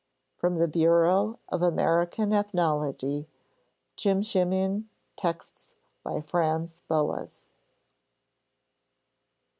[_From the Bureau of American Ethnology: Tsimshian Texts by Franz Boas.